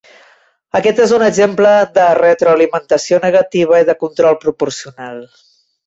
Aquest és un exemple de retroalimentació negativa i de control proporcional.